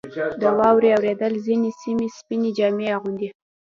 • د واورې اورېدل ځینې سیمې سپینې جامې اغوندي.